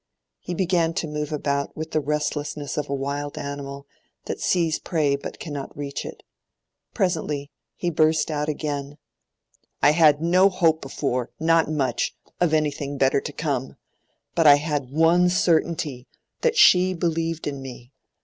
He began to move about with the restlessness of a wild animal that sees prey but cannot reach it. Presently he burst out again— "I had no hope before—not much—of anything better to come. But I had one certainty—that she believed in me.